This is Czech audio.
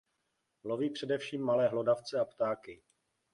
Loví především malé hlodavce a ptáky.